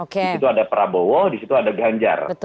di situ ada prabowo di situ ada ganjar